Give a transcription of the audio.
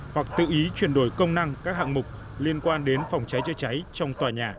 hoặc tự ý chuyển đổi công năng các hạng mục liên quan đến phòng cháy chữa cháy trong tòa nhà